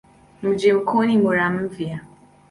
Mji mkuu ni Muramvya.